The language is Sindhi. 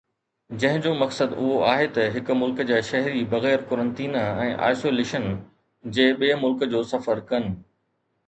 جنهن جو مقصد اهو آهي ته هڪ ملڪ جا شهري بغير قرنطينه ۽ آئسوليشن جي ٻئي ملڪ جو سفر ڪن